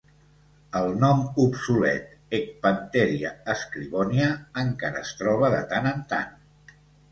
El nom obsolet "Ecpantheria scribonia" encara es troba de tant en tant.